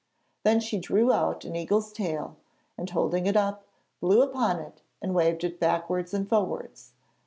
Then she drew out an eagle's tail, and, holding it up, blew upon it and waved it backwards and forwards.